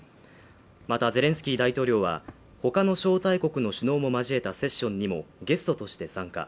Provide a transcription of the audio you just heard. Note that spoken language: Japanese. またゼレンスキー大統領は、他の招待国の首脳も交えたセッションにもゲストとして参加。